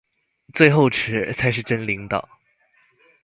最後吃，才是真領導